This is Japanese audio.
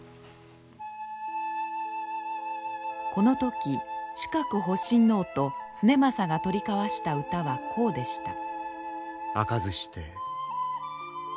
この時守覚法親王と経正が取り交わした歌はこうでした。